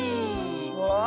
わあ。